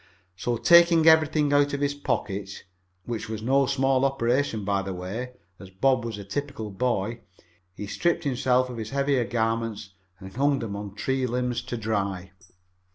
So, taking everything out of his pockets, which was no small operation by the way, as Bob was a typical boy, he stripped himself of his heavier garments and hung them on tree limbs to dry.